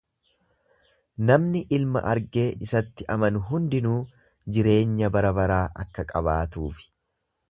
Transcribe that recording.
Namni Ilma argee isatti amanu hundinuu jireenya barabaraa akka qabaatuufi.